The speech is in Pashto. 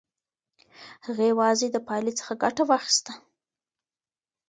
هغې یوازې د پایلې څخه ګټه واخیسته.